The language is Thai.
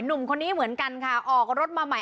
หนุ่มคนนี้เหมือนกันค่ะออกรถมาใหม่